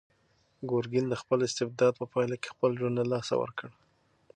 ګورګین د خپل استبداد په پایله کې خپل ژوند له لاسه ورکړ.